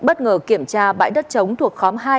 bất ngờ kiểm tra bãi đất chống thuộc khóm hai